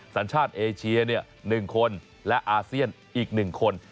สัญชาติเอเชีย๑คนและอาเซียนอีก๑คน